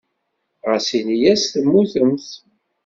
Ɣas in-as temmutemt.